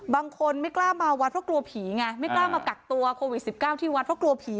บางคนไม่กล้ามาวัดเพราะกลัวผีไงไม่กล้ามากักตัวโควิด๑๙ที่วัดเพราะกลัวผี